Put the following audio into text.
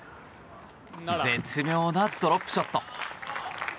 絶妙なドロップショット。